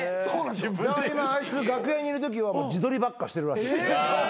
今あいつ楽屋にいるときは自撮りばっかしてるらしい。